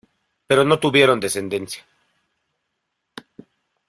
Pero no tuvieron descendencia.